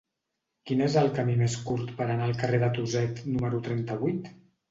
Quin és el camí més curt per anar al carrer de Tuset número trenta-vuit?